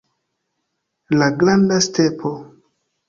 La granda stepo.